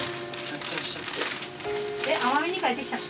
えっ奄美に帰ってきたの？